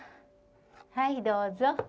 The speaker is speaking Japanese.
はいどうぞ。